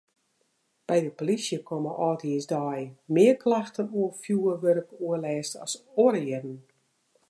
By de polysje komme âldjiersdei mear klachten oer fjoerwurkoerlêst as oare jierren.